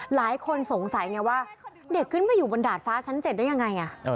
หลายคนสงสัยไงว่าเด็กขึ้นมาอยู่บนดาดฟ้าชั้น๗ได้ยังไง